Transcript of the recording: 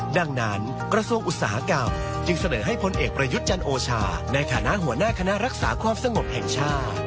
ดังนั้นกระทรวงอุตสาหกรรมจึงเสนอให้พลเอกประยุทธ์จันโอชาในฐานะหัวหน้าคณะรักษาความสงบแห่งชาติ